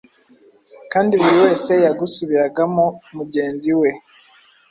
kandi buri wese yagusubiragamo mugenzi we.